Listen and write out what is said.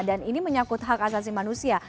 dan ini menyakut hak asasi manusia